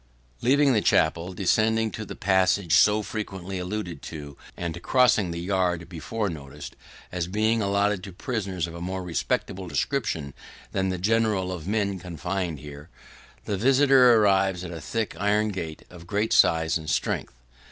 Leaving the chapel, descending to the passage so frequently alluded to, and crossing the yard before noticed as being allotted to prisoners of a more respectable description than the generality of men confined here, the visitor arrives at a thick iron gate of great size and strength.